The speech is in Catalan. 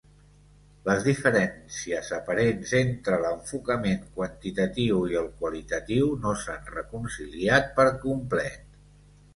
Les diferències aparents entre l'enfocament quantitatiu i el qualitatiu no s'han reconciliat per complet.